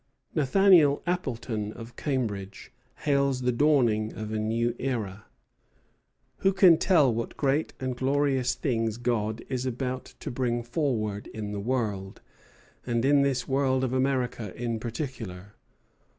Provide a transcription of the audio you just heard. Nathaniel Appleton, of Cambridge, hails the dawning of a new era. "Who can tell what great and glorious things God is about to bring forward in the world, and in this world of America in particular?